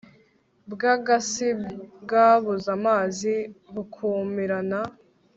bw'agasi bwabuze amazi bukumirana